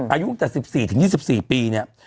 อายุตั้งแต่๑๔ถึง๒๔ปีเนี่ย